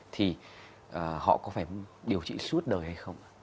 thì họ có phải điều trị suốt đời hay không